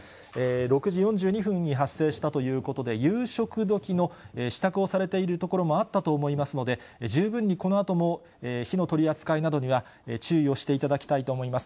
６時４２分に発生したということで、夕食どきの支度をされているところもあったと思いますので、十分にこのあとも火の取り扱いなどには注意をしていただきたいと思います。